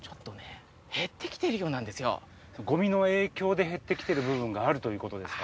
ごみの影響で減ってきてる部分があるということですか？